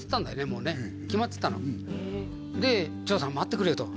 もうね決まってたので「長さん待ってくれ」と